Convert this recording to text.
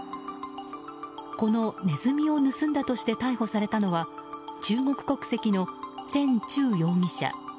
このネズミを盗んだとして逮捕されたのは中国国籍のセン・チュウ容疑者。